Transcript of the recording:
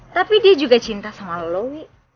tapi dia juga cinta sama lo wi